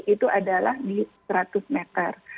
itu adalah di seratus meter